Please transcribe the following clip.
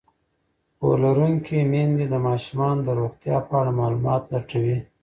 پوهه لرونکې میندې د ماشومانو د روغتیا په اړه معلومات لټوي.